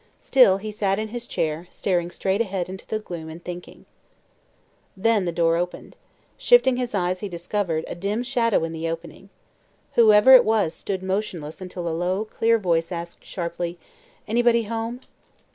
Still he sat in his chair, staring straight ahead into the gloom and thinking. Then the door opened. Shifting his eyes he discovered a dim shadow in the opening. Whoever it was stood motionless until a low, clear voice asked sharply: "Anybody home?"